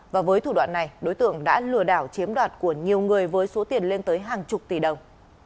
và với thủ đoạn này đối tượng đã lừa đảo chiếm đoạt của nhiều người với số tiền lên tới hàng chục tỷ đồng